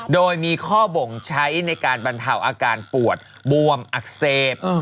โดยมีข้อบ่งใช้ในการบรรเทาอาการปวดบวมอักเสบ